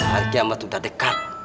hari kiamat sudah dekat